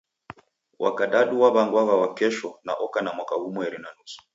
Wa kadadu waw'angwagha Wakesho na oka na mwaka ghumweri na nusu.